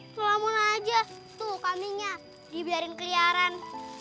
selamun aja tuh kamingnya dibiarin keliaran